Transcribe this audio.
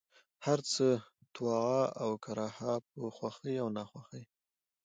هرڅه، طوعا اوكرها ، په خوښۍ او ناخوښۍ،